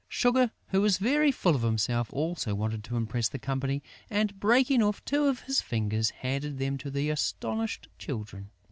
Sugar, who was very full of himself, also wanted to impress the company and, breaking off two of his fingers, handed them to the astonished Children.